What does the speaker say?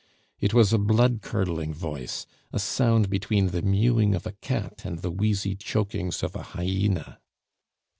It was a blood curdling voice, a sound between the mewing of a cat and the wheezy chokings of a hyena.